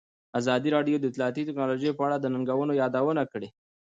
ازادي راډیو د اطلاعاتی تکنالوژي په اړه د ننګونو یادونه کړې.